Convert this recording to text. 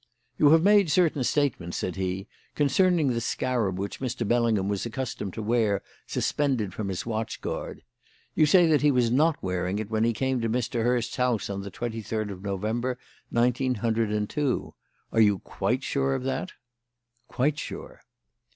"You have made certain statements," said he, "concerning the scarab which Mr. Bellingham was accustomed to wear suspended from his watch guard. You say that he was not wearing it when he came to Mr. Hurst's house on the twenty third of November, nineteen hundred and two. Are you quite sure of that?" "Quite sure."